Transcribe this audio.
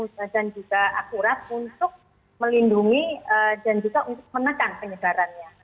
dan juga akurat untuk melindungi dan juga untuk menekan penyebarannya